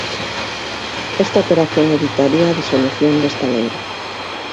Esta operación evitaría a disolución do estaleiro.